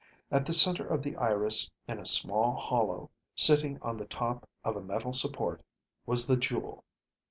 At the center of the iris, in a small hollow, sitting on the top of a metal support, was the jewel.